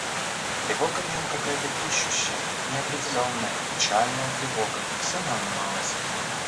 Тревога в нем, какая-то ищущая, неопределенная, печальная тревога, все не унималась.